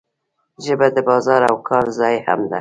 ژبه د بازار او کار ځای هم ده.